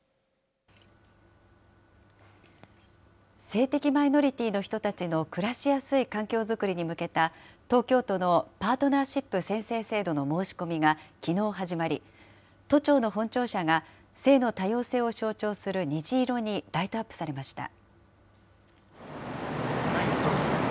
性的マイノリティーの人たちの暮らしやすい環境作りに向けた、東京都のパートナーシップ宣誓制度の申し込みがきのう始まり、都庁の本庁舎が、性の多様性を象徴する虹色にライトアップされました。